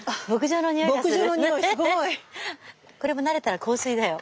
これも慣れたら香水だよ。